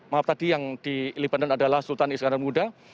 maaf tadi yang di libanon adalah sultan iskandar muda